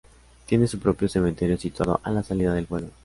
Tiene su propio cementerio, situado a la salida del pueblo.